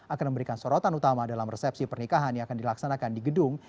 akan memberikan sorotan utama dalam resepsi pernikahan yang akan dilaksanakan di gedung